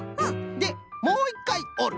でもういっかいおる。